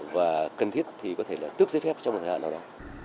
và cần thiết thì có thể là tước giấy phép trong một thời gian nào đó